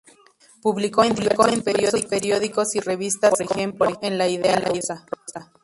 Publicó en diversos periódicos y revistas como, por ejemplo, en "La idea rusa".